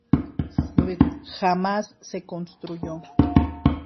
Jamás se construyó.